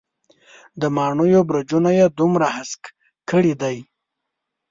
د ماڼېیو برجونه یې دومره هسک کړي دی.